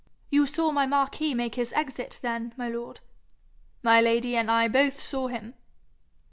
'You saw my Marquis make his exit then, my lord?' 'My lady and I both saw him.'